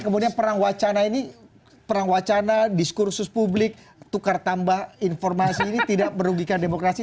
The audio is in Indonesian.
karena ini perang wacana diskursus publik tukar tambah informasi ini tidak merugikan demokrasi